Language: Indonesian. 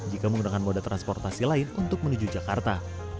jika menggunakan moda transportasi lain untuk menuju jakarta